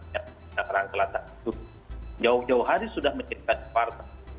yang di perumahan jawa jawa hari sudah menciptakan partai